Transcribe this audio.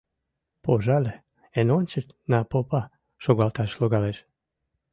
Пожале, эн ончыч «на попа» шогалташ логалеш.